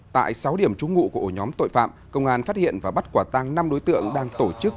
tại sáu điểm trúng ngụ của ổ nhóm tội phạm công an phát hiện và bắt quả tăng năm đối tượng đang tổ chức